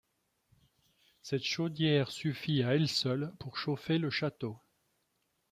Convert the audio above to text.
Cette chaudière suffit à elle seule pour chauffer le château.